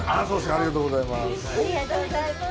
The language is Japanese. ありがとうございます。